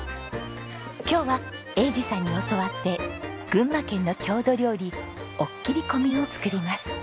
今日は栄治さんに教わって群馬県の郷土料理おっきりこみを作ります。